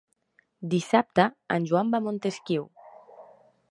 Dissabte en Joan va a Montesquiu.